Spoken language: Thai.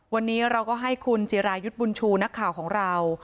วันนี้เราก็ให้คุณจิรายุทธ์บุญชูนักข่าวของเรา